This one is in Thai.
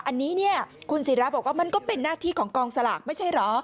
อันนี้เนี่ยคุณศิราบอกว่ามันก็เป็นหน้าที่ของกองสลากไม่ใช่เหรอ